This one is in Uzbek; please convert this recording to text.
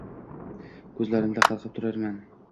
“Ko’zlarimda qalqib turar nam